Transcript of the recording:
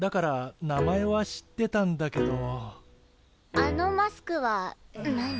あのマスクは何？